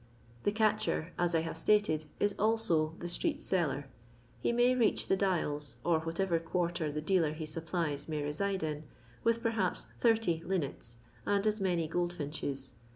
The catcher, jm I have stated, is also the street seller. He may reach the IHals, or whatever quarter the dealer he supplies may re side in, with perhaps 80 linnets and as many goldfinches.